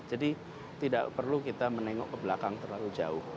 jadi tidak perlu kita menengok ke belakang terlalu jauh